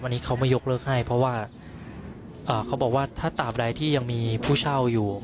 วันนี้เขาไม่ยกเลิกให้เพราะว่าเขาบอกว่าถ้าตามใดที่ยังมีผู้เช่าอยู่